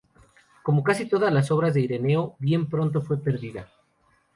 Como casi todas las obras de Ireneo bien pronto fue perdida.